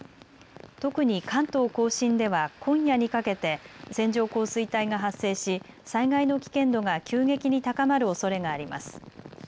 特に関東甲信では今夜にかけて線状降水帯が発生し災害の危険度が急激に高まるおそれがあります。